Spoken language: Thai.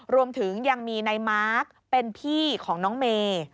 รวมถึงยังมีนายมาร์คเป็นพี่ของน้องเมย์